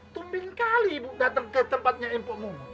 tumbing kali ibu dateng ke tempatnya empokmu